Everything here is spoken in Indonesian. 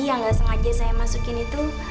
yang nggak sengaja saya masukin itu